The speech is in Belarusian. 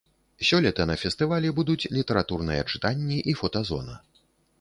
Сёлета на фестывалі будуць літаратурныя чытанні і фотазона.